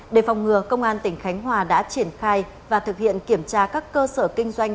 để phòng ngừa công an tỉnh khánh hòa đã triển khai và thực hiện kiểm tra các cơ sở kinh doanh